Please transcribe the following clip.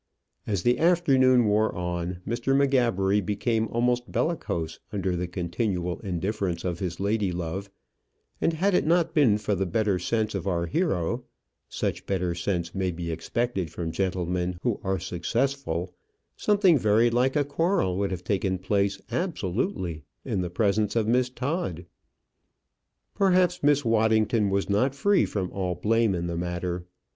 As the afternoon wore on, Mr. M'Gabbery became almost bellicose under the continual indifference of his lady love; and had it not been for the better sense of our hero such better sense may be expected from gentlemen who are successful something very like a quarrel would have taken place absolutely in the presence of Miss Todd. Perhaps Miss Waddington was not free from all blame in the matter.